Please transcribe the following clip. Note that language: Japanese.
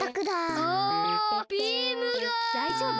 だいじょうぶ？